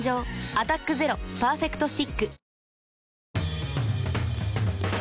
「アタックＺＥＲＯパーフェクトスティック」